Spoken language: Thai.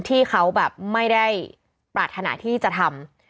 ที่เขาแบบไม่ได้ปรารถนาที่จะทำ